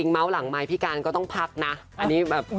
ไม่ให้ใครครับ